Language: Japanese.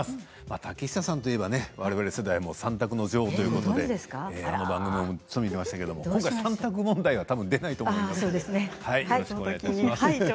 竹下さんといえばわれわれの世代３択の女王ということで番組を見てましたけど今回は３択は出ないと思いますが。